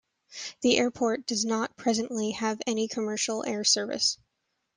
The airport does not presently have any commercial air service.